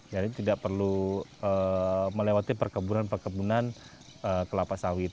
jadi tidak perlu melewati perkebunan perkebunan kelapa sawit